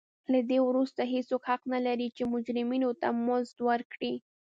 له دې وروسته هېڅوک حق نه لري چې مجرمینو ته مزد ورکړي.